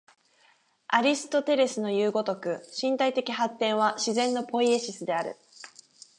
アリストテレスのいう如く、身体的発展は自然のポイエシスである。